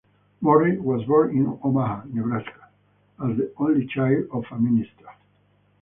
Morris was born in Omaha, Nebraska, as the only child of a minister.